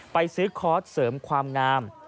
ไปซื้อคอร์สเสริมความงาม